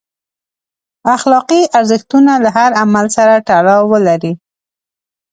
اخلاقي ارزښتونه له هر عمل سره تړاو ولري.